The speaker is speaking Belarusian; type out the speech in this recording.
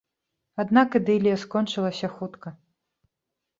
Аднак ідылія скончылася хутка.